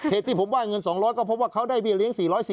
เหตุที่ผมว่าเงิน๒๐๐ก็เพราะว่าเขาได้เบี้ยเลี้ยง๔๔๐